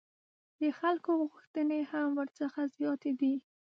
د خلکو غوښتنې هم ورڅخه زیاتې دي.